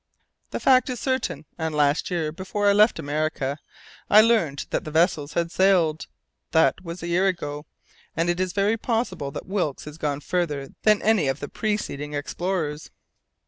"The fact is certain, and last year, before I left America, I learned that the vessels had sailed. That was a year ago, and it is very possible that Wilkes has gone farther than any of the preceding explorers."